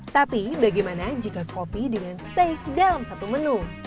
tapi bagaimana jika kopi dengan steak dalam satu menu